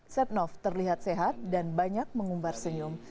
setnoff terlihat sehat dan banyak mengumbar senyum